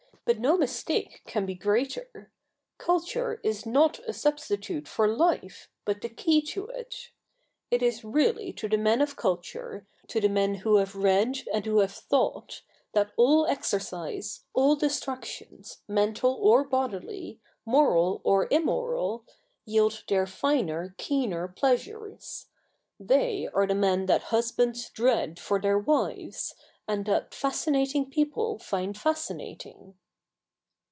But no mistake can be 'greater. Culture is not a substitute for life, but the key to it. It K 2 148 THE NEW REPUBLIC [bk. hi is really to the men of culture, to the men who have read and who have thought, that all exercise, all distractions, mental or bodily, moral or immoral, yield their finer, keener pleasures. They are the men that husbands dread for their wives, and that fascinating people find fascinating.'